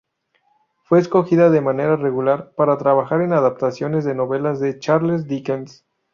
Fue escogida de manera regular para trabajar en adaptaciones de novelas de Charles Dickens.